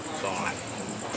pondok pesantren mabukun